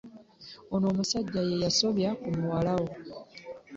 Ono omusajja yeyasobya ku muwala wo.